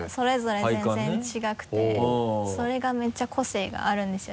それがめっちゃ個性があるんですよ